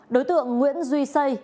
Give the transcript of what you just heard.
đối tượng nguyễn duy sây